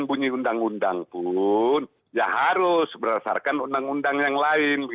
dan bunyi undang undang pun ya harus berdasarkan undang undang yang lain